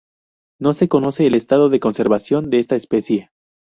No se conoce el estado de conservación de esta especie.